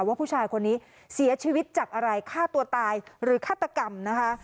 ว่าผู้ชายคนนี้เสียชีวิตจากอะไรฆ่าตัวตายหรือฆาตกรรมนะคะ